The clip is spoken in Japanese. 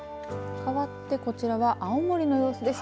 かわってこちらは青森の様子です。